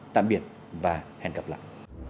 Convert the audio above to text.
tạm biệt và hẹn gặp lại